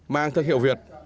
mang thân hiệu việt